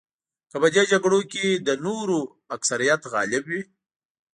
که په دې جګړو کې د نورو اکثریت غالب وي.